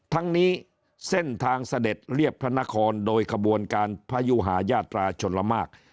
ทั้งนี้เส้นทางเสด็จเรียบพระนครโดยขบวนการพยุหายาตราชลมาก